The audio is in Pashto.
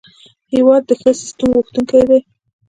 هېواد د ښو سیسټم غوښتونکی دی.